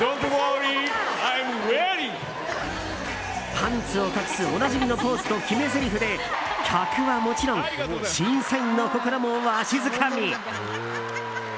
パンツを隠すおなじみのポーズと決めぜりふで客はもちろん審査員の心もわしづかみ。